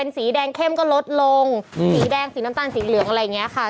สีแดงเข้มก็ลดลงสีแดงสีน้ำตาลสีเหลืองอะไรอย่างนี้ค่ะ